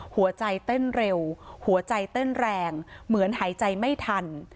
หัวใจเต้นเร็วหัวใจเต้นแรงเหมือนหายใจไม่ทัน